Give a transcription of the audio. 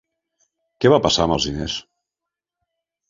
Què va passar amb els diners?